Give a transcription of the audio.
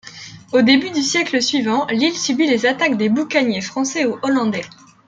Au début du siècle suivant, l'île subit les attaques des boucaniers français ou hollandais.